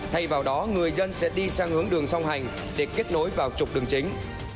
thay vào đó người dân sẽ đi sang hướng đường song hành để kết nối vào trục đường chính